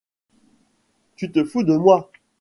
Tu te fous de moi ?